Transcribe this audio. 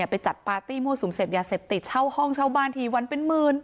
ไปจัดปาร์ตี้มั่วสุมเสพยาเสพติดเช่าห้องเช่าบ้านทีวันเป็นหมื่น